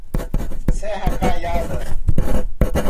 Serra Caiada